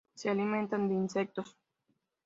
Se alimentan de insectos.